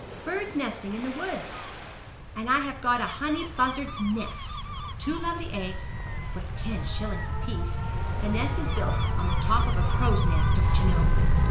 'Bird's nesting in the woods, and I have got a honey buzzard's nest two lovely eggs, worth ten shillings apiece the nest is built on the top of a crow's nest, don't you know.